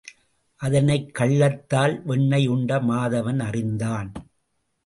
அதனைக் கள்ளத்தால் வெண்ணெய் உண்ட மாதவன் அறிந்தான்.